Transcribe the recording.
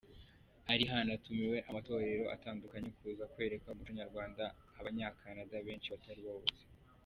Hari hanatumiwe amatorero atandukanye kuza kwereka umuco nyarwanda Abanya-Canada benshi batari bawuzi.